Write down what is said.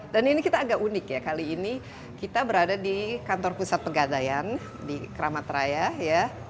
dan ini kita agak unik ya kali ini kita berada di kantor pusat pegadaian di kramat raya ya